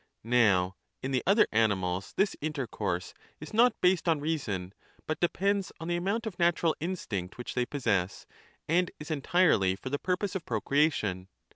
Now in the other animals this intercourse is not based on reason, but depends on the amount of natural instinct which 15 they possess and is entirely for the purpose of procreation.